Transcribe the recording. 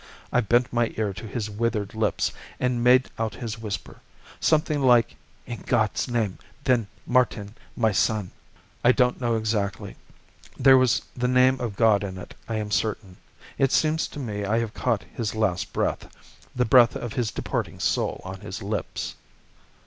I bent my ear to his withered lips, and made out his whisper, something like, 'In God's name, then, Martin, my son!' I don't know exactly. There was the name of God in it, I am certain. It seems to me I have caught his last breath the breath of his departing soul on his lips.